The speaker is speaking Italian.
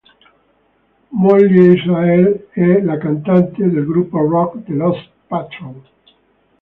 Mollie Israel è la cantante del gruppo rock The Lost Patrol.